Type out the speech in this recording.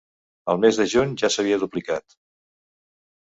Al mes de juny ja s’havia duplicat.